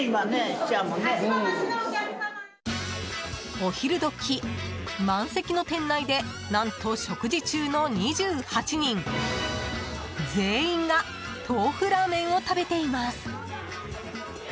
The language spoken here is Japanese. お昼時、満席の店内で何と食事中の２８人全員が豆腐ラーメンを食べています。